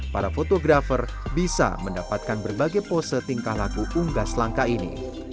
para fotografer bisa mendapatkan berbagai pose tingkah lagu unggas langka ini